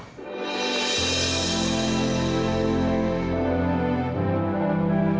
terima kasih fadil